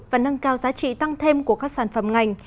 và nâng cao giá trị tăng thêm của các sản phẩm ngành